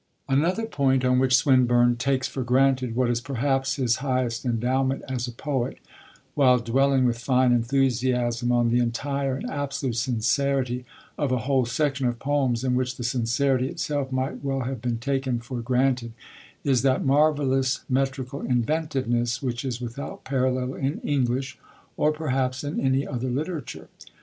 Another point on which Swinburne takes for granted what is perhaps his highest endowment as a poet, while dwelling with fine enthusiasm on the 'entire and absolute sincerity' of a whole section of poems in which the sincerity itself might well have been taken for granted, is that marvellous metrical inventiveness which is without parallel in English or perhaps in any other literature.